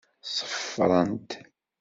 Ṣeffrent.